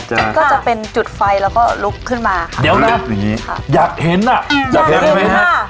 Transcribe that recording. มันก็จะเป็นจุดไฟแล้วก็ลุกขึ้นมาเดี๋ยวนะอยากเห็นอ่ะอยากเห็นไหมฮะ